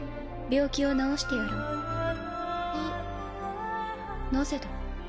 病気を治してやろういいなぜだ？